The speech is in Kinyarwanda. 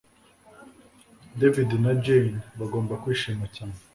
David na Jane bagomba kwishima cyane